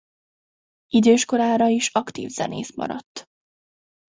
Idős korára is aktív zenész maradt.